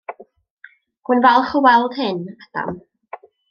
Rwy'n falch o weld hyn, Adam.